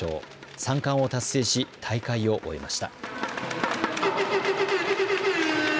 ３冠を達成し大会を終えました。